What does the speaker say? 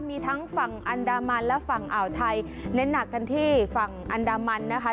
มีทั้งฝั่งอันดามันและฝั่งอ่าวไทยเน้นหนักกันที่ฝั่งอันดามันนะคะ